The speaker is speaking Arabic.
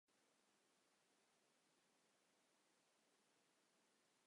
نشكر كل من قدوم عندنا.